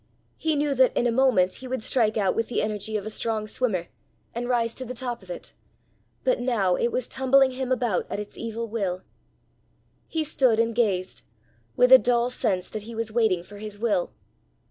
He knew that in a moment he would strike out with the energy of a strong swimmer, and rise to the top of it; but now it was tumbling him about at its evil will. He stood and gazed with a dull sense that he was waiting for his will.